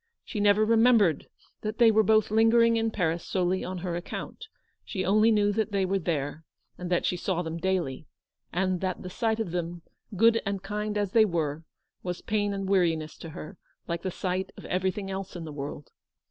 She never remembered that they were both lingering in Paris solely on her account ; she only knew that they were there, and that she saw them daily, and that the sight of them, good LOOKING TO THE FUTURE. 179 and kind as they were, was pain and weariness to her, like the sight of everything else in the world.